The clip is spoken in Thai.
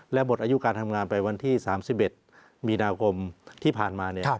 และหมดอายุการทำงานไปวันที่๓๑มีนาคมที่ผ่านมา